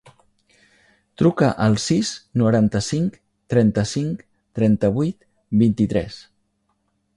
Truca al sis, noranta-cinc, trenta-cinc, trenta-vuit, vint-i-tres.